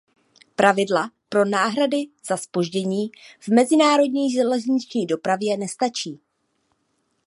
Pravidla pro náhrady za zpoždění v mezinárodní železniční dopravě nestačí.